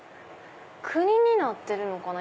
国になってるのかな。